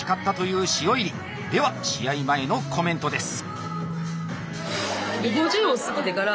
では試合前のコメントです。